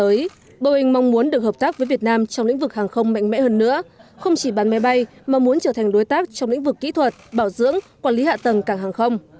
mới boeing mong muốn được hợp tác với việt nam trong lĩnh vực hàng không mạnh mẽ hơn nữa không chỉ bán máy bay mà muốn trở thành đối tác trong lĩnh vực kỹ thuật bảo dưỡng quản lý hạ tầng cảng hàng không